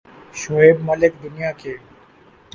شعیب ملک دنیا کے